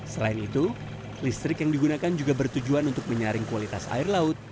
selain itu listrik yang digunakan juga bertujuan untuk menyaring kualitas air laut